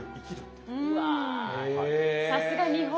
うわさすが日本。